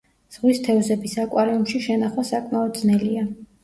ზღვის თევზების აკვარიუმში შენახვა საკმაოდ ძნელია.